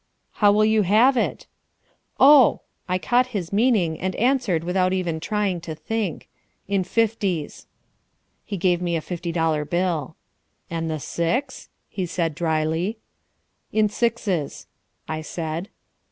"How will you have it?" "Oh" I caught his meaning and answered without even trying to think "in fifties." He gave me a fifty dollar bill. "And the six?" he asked dryly. "In sixes," I said.